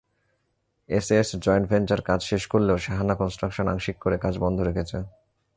SS joint venture কাজ শেষ করলেও শাহানা কনস্ট্রাকশন আংশিক করে কাজ বন্ধ রেখেছে।